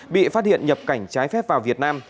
bị phát hiện nhập cảnh trái phép vào việt nam